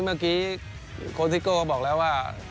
เมื่อกี้โคลดิกโกบอกล่ะว่า